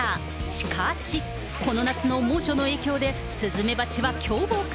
しかし、この夏の猛暑の影響で、スズメバチは凶暴化。